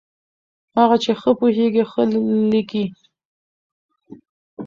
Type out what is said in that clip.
هغه چې ښه پوهېږي، ښه لیکي.